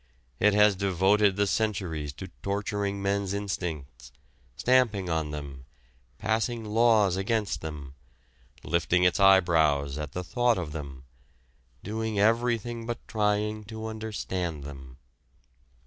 It has devoted the centuries to torturing men's instincts, stamping on them, passing laws against them, lifting its eyebrows at the thought of them doing everything but trying to understand them.